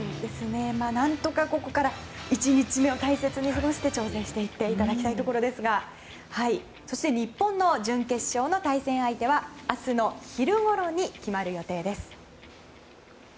何とかここから１日目を大切に過ごして調整していっていただきたいところですがそして日本の準決勝の対戦相手は明日の昼ごろに決まる予定です。